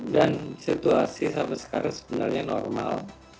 dan situasi sampai sekarang sebenarnya normal